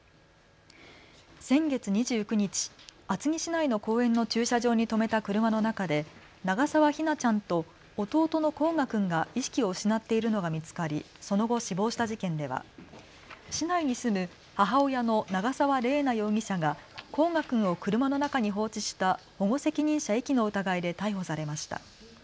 先月２９日厚木市内の公園の駐車場に止めた車の中で長澤姫梛ちゃんと弟の煌翔君が意識を失っているのが見つかりその後死亡した事件では市内に住む母親の長澤麗奈容疑者が煌翔君を車の中に放置した保護責任者遺棄の疑いで逮捕されました。